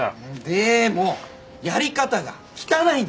でもやり方が汚いんですよ！